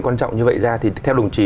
quan trọng như vậy ra thì theo đồng chí